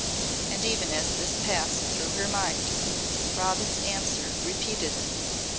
And even as this passed through her mind, Robin's answer repeated it.